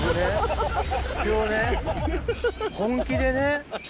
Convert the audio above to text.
今日ね本気でね。